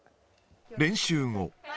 練習後。